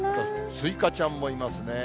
スイカちゃんもいますね。